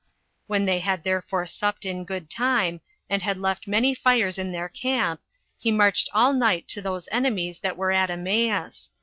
When they had therefore supped in good time, and had left many fires in their camp, he marched all night to those enemies that were at Emmaus.